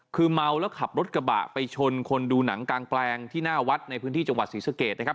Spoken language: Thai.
คือเมาแล้วขับรถกระบะไปชนคนดูหนังกลางแปลงที่หน้าวัดในพื้นที่จังหวัดศรีสเกตนะครับ